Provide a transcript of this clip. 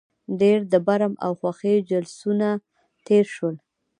ډېر د برم او خوښۍ جلوسونه تېر شول.